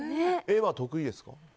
絵は得意ですか？